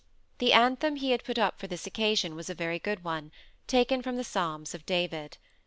The anthem he had put up for this occasion was a very good one, taken from the Psalms of David.